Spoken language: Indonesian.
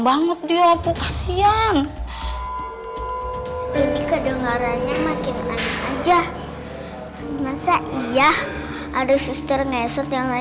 banget dia aku kasihan ini kedengarannya makin aja masa iya ada susternya setelah